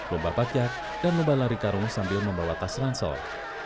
lomba pakyat dan lomba lari karun sambil membawa tas ransol